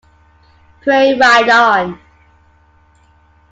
Pray ride on!